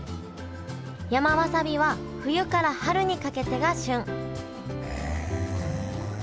山わさびは冬から春にかけてが旬へえ。